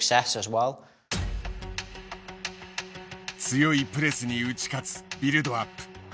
強いプレスに打ち勝つビルドアップ。